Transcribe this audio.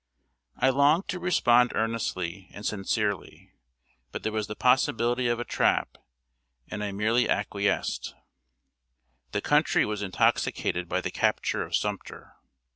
I longed to respond earnestly and sincerely, but there was the possibility of a trap, and I merely acquiesced. The country was intoxicated by the capture of Sumter.